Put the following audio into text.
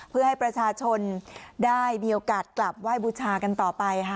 เพื่อให้ประชาชนได้มีโอกาสกลับไหว้บูชากันต่อไปค่ะ